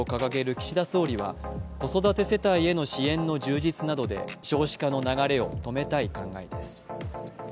岸田総理は子育て世帯への支援の充実などで少子化の流れを止めたい考えです。